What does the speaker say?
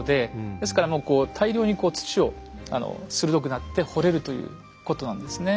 ですからもう大量にこう土を鋭くなって掘れるということなんですね。